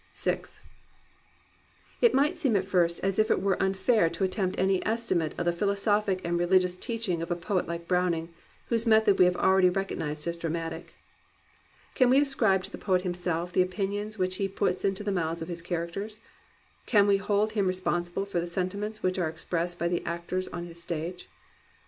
VI It might seem at first as if it were unfair to at tempt any estimate of the philosophic and religious teaching of a poet Kke Browning, whose method we have already recognized as dramatic. Can we ascribe to the poet himself the opinions which he puts into the mouths of his characters? Can we hold him responsible for the sentiments which are expressed by the actors on his stage